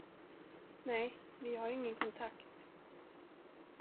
Nej, vi har ingen kontakt.